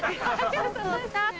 ・スタート！